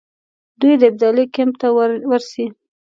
دوی د ابدالي کمپ ته ورسي.